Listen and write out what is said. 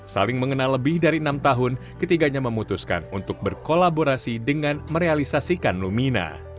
saling mengenal lebih dari enam tahun ketiganya memutuskan untuk berkolaborasi dengan merealisasikan lumina